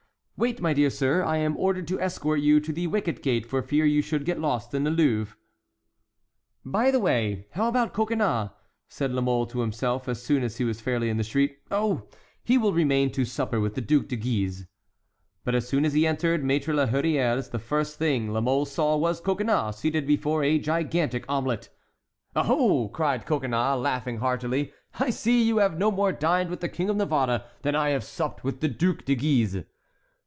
"Wait, my dear sir, I am ordered to escort you to the wicket gate for fear you should get lost in the Louvre." "By the way, how about Coconnas?" said La Mole to himself as soon as he was fairly in the street. "Oh, he will remain to supper with the Duc de Guise." But as soon as he entered Maître la Hurière's the first thing La Mole saw was Coconnas seated before a gigantic omelet. "Oho!" cried Coconnas, laughing heartily, "I see you have no more dined with the King of Navarre than I have supped with the Duc de Guise."